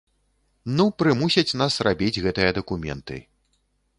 Ну, прымусяць нас рабіць гэтыя дакументы.